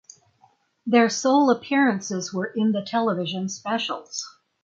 Their sole appearances were in the television specials.